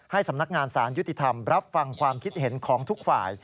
สำนักงานสารยุติธรรมรับฟังความคิดเห็นของทุกฝ่าย